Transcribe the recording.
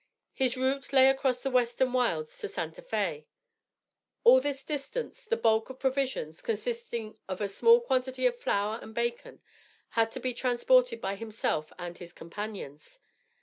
His route lay across the western wilds to Santa Fé. All this distance the bulk of provisions, consisting of a small quantity of flour and bacon, had to be transported by himself and his companions.